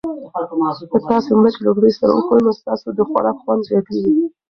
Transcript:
که تاسي مرچ له ډوډۍ سره وخورئ نو ستاسو د خوراک خوند زیاتیږي.